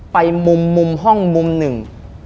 ไปมุมมุมห้องมุมหนึ่ง